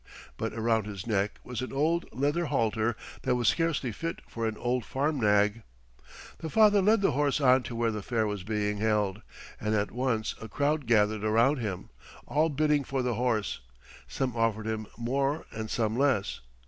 But around his neck was an old leather halter that was scarcely fit for an old farm nag. The father led the horse on to where the fair was being held, and at once a crowd gathered around him, all bidding for the horse. Some offered him more and some less.